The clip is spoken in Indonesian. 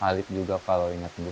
alif juga kalau ingatmu